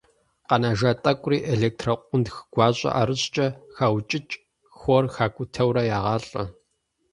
Къэнэжа тӀэкӀури электрокъунтх гуащӀэ ӀэрыщӀкӀэ хаукӀыкӀ, хлор хакӀутэурэ ягъалӀэ.